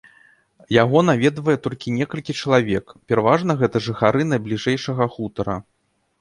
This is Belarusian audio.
Яго наведвае толькі некалькі чалавек, пераважна гэта жыхары найбліжэйшага хутара.